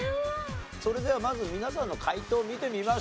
それではまず皆さんの回答を見てみましょう。